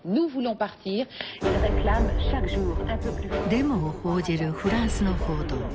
デモを報じるフランスの報道。